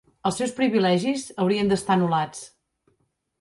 Els seus privilegis haurien d'estar anul·lats.